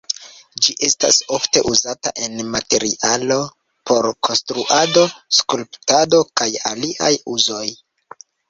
Ĝi estas ofte uzata en materialo por konstruado, skulptado, kaj aliaj uzoj.